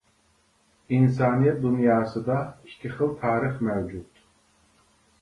ئىنسانىيەت دۇنياسىدا ئىككى خىل تارىخ مەۋجۇت.